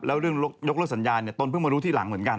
แล้วเรื่องยกเลิกสัญญาเนี่ยตนเพิ่งมารู้ทีหลังเหมือนกัน